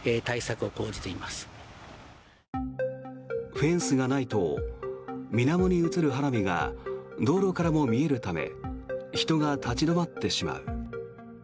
フェンスがないとみなもに映る花火が道路からも見えるため人が立ち止まってしまう。